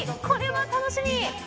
これは楽しみ！